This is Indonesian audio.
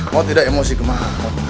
maud tidak emosi kemah